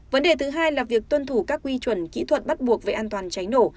vấn đề thứ hai là việc tuân thủ các quy chuẩn kỹ thuật bắt buộc về an toàn cháy nổ